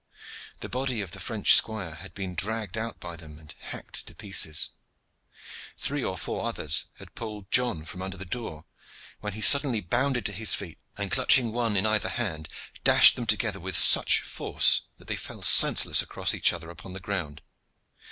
The body of the French squire had been dragged out by them and hacked to pieces. Three or four others had pulled John from under the door, when he suddenly bounded to his feet, and clutching one in either hand dashed them together with such force that they fell senseless across each other upon the ground.